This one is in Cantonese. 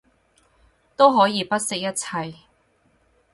都可以不惜一切